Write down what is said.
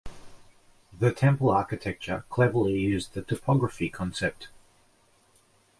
The Temple Architecture cleverly used the topography concept.